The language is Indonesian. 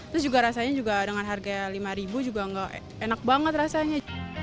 terus juga rasanya dengan harga lima ribu juga enak banget rasanya